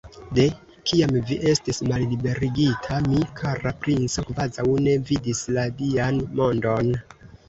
De kiam vi estis malliberigita, mi, kara princo, kvazaŭ ne vidis la Dian mondon!